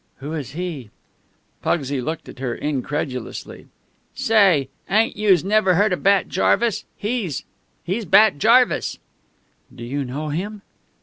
"Who is he?" Pugsy looked at her incredulously. "Say! Ain't youse never heard of Bat Jarvis? He's he's Bat Jarvis." "Do you know him?"